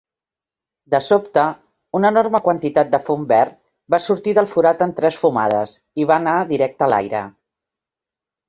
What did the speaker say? De sobte, una enorme quantitat de fum verd va sortir del forat en tres fumades i va anar directe a l'aire.